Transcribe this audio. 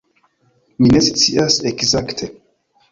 Mi ne scias ekzakte.